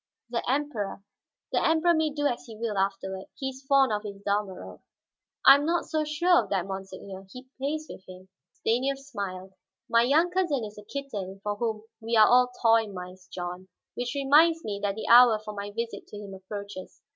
"The Emperor " "The Emperor may do as he will, afterward. He is fond of his Dalmorov." "I am not so sure of that, monseigneur; he plays with him." Stanief smiled. "My young cousin is a kitten for whom we are all toy mice, John. Which reminds me that the hour for my visit to him approaches."